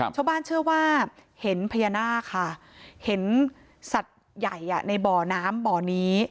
ชาวบ้านเชื่อว่าเห็นพญานาคค่ะเห็นสัตว์ใหญ่ในบ่อน้ำบ่อนี้